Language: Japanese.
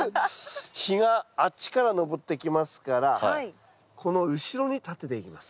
日があっちから昇ってきますからこの後ろに立てていきます。